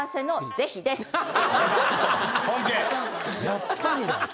やっぱりだ。